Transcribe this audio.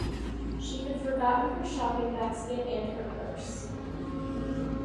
She had forgotten her shopping basket and her purse.